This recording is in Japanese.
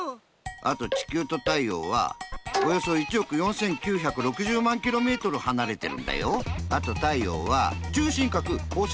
あとちきゅうと太陽はおよそ１億４９６０万ｋｍはなれてるんだよ。